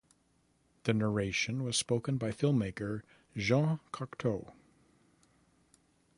The narration was spoken by filmmaker Jean Cocteau.